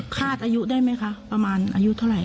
คาดอายุได้ไหมคะประมาณอายุเท่าไหร